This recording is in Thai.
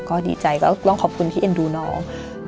ก็ดีใจก็ต้องขอบคุณที่เอ็นดูน้อง